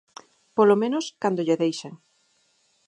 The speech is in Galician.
Polo menos cando lle deixen.